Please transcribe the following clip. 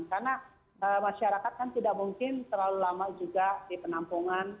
karena masyarakat kan tidak mungkin terlalu lama juga di penampungan